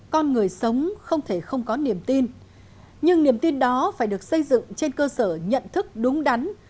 con người sống không thể không có niềm tin nhưng niềm tin đó phải được xây dựng trên cơ sở nhận thức đúng đắn